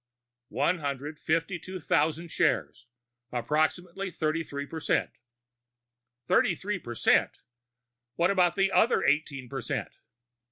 "One hundred fifty two thousand shares. Approximately thirty three percent." "Thirty three percent! What about the other eighteen percent?"